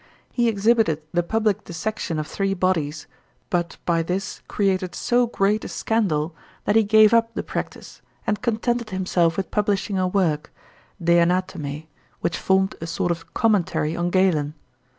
He exhibited the public dissection of three bodies, but by this created so great a scandal that he gave up the practice, and contented himself with publishing a work, "De Anatome," which formed a sort of commentary on Galen.